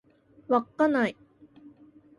稚内